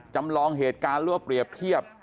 จำลองเหตุการณ์หรือว่าเปรียบเทียบ